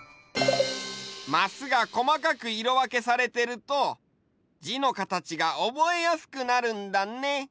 マスがこまかくいろわけされてるとじのかたちがおぼえやすくなるんだね。